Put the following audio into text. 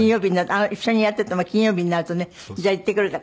一緒にやっていても金曜日になるとね「じゃあ行ってくるから」。